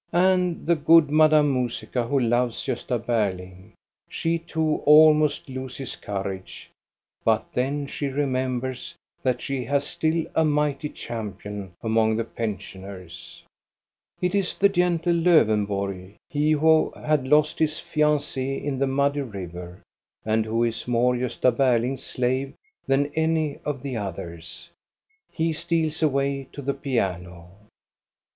And the good Madame Musica, who loves Gosta Berling, she too almost loses courage; but then she remembers that she has still a mighty champion among the pensioners. It is the gentle Ldwenborg, he who had lost his fiancee in the muddy river, and who is more Gbsta Berling's slave than any of the others. He steals away to the piano.